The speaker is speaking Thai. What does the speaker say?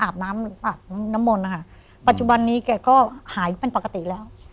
อาบน้ำมนต์นะคะปัจจุบันนี้แกก็หายเป็นปกติแล้ว